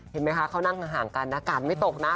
เห็นไหมคะเขานั่งห่างกันอากาศไม่ตกนะ